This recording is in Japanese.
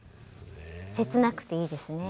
せつなくていいですね。